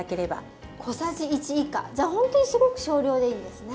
じゃほんとにすごく少量でいいんですね。